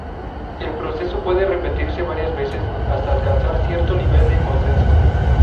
El proceso puede repetirse varias veces hasta alcanzar cierto nivel de consenso.